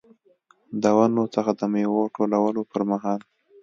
د ونو څخه د میوو ټولولو پرمهال.